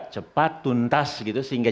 cepat tuntas gitu sehingga